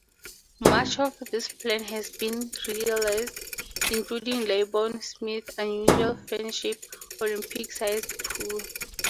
Much of this plan has been realised, including Laybourne-Smith's unusual 'fan-shaped' Olympic-sized pool.